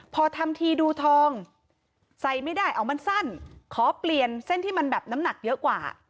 พอทำทีดูทองใส่ไม่ได้เอามันสั้นขอเปลี่ยนเส้นที่มันแบบน้ำหนักเยอะกว่า